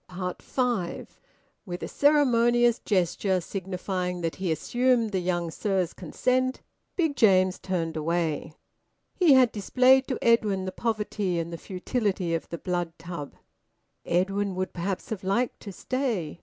FIVE. With a ceremonious gesture signifying that he assumed the young sir's consent, Big James turned away. He had displayed to Edwin the poverty and the futility of the Blood Tub. Edwin would perhaps have liked to stay.